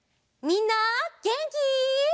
みんなげんき？